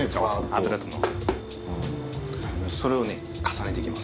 脂とのそれをね重ねていきます。